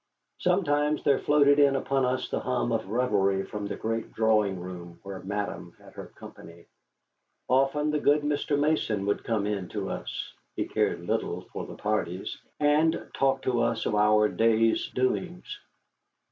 Sometimes there floated in upon us the hum of revelry from the great drawing room where Madame had her company. Often the good Mr. Mason would come in to us (he cared little for the parties), and talk to us of our day's doings.